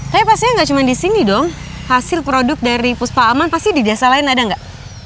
tapi pastinya nggak cuma di sini dong hasil produk dari puspa aman pasti di desa lain ada nggak